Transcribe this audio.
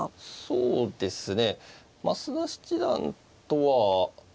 そうですね。